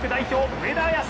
上田綺世！